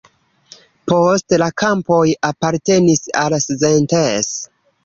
Poste la kampoj apartenis al Szentes.